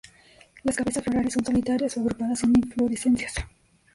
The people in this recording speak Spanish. Las cabezas florales son solitarias o agrupadas en inflorescencias.